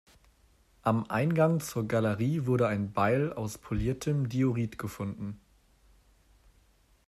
Am Eingang zur Galerie wurde ein Beil aus poliertem Diorit gefunden.